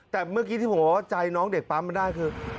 แต่เมื่อกี้ที่ผมบอกว่าใจน้องเด็กปั๊มมันได้คือ